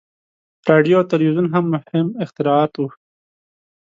• راډیو او تلویزیون هم مهم اختراعات وو.